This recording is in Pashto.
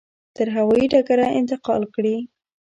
تر هوایي ډګره انتقال کړي.